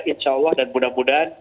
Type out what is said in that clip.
insya allah dan mudah mudahan